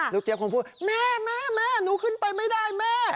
เจี๊ยคงพูดแม่แม่หนูขึ้นไปไม่ได้แม่